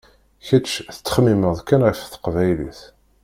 Kečč tettxemmimeḍ kan ɣef teqbaylit.